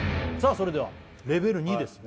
それではレベル２です